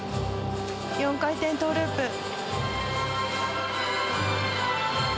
４回転トウループ。